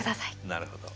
なるほど。